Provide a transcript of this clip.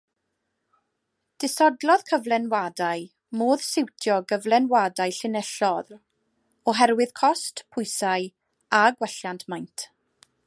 Disodlodd cyflenwadau modd switsio gyflenwadau llinellol oherwydd cost, pwysau a gwelliant maint.